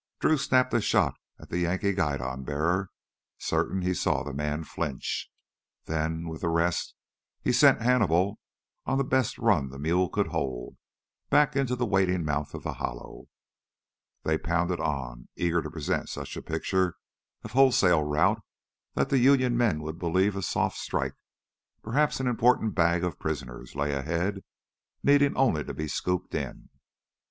Drew snapped a shot at the Yankee guidon bearer, certain he saw the man flinch. Then, with the rest, he sent Hannibal on the best run the mule could hold, back into the waiting mouth of the hollow. They pounded on, eager to present such a picture of wholesale rout that the Union men would believe a soft strike, perhaps an important bag of prisoners, lay ahead, needing only to be scooped in.